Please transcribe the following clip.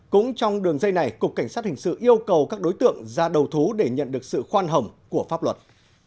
cũng trong đường dây này cục cảnh sát hình sự yêu cầu các đối tượng ra đầu thú để nhận được sự khoan hồng của pháp luật